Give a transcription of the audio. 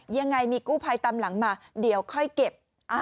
ยังไงมีกู้ภัยตามหลังมาเดี๋ยวค่อยเก็บ